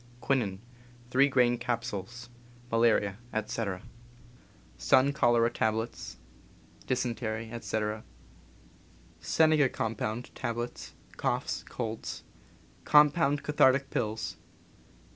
^Quinin, 3 gr. capsules — malaria, etc. Sun cholera tablets — dysentery, etc. Senega compound, tablets — coughs, colds. Compound cathartic pills.